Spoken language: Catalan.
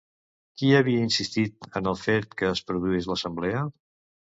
Qui havia insistit en el fet que es produís l'assemblea?